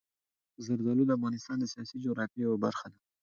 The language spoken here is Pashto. زردالو د افغانستان د سیاسي جغرافیې یوه برخه ده.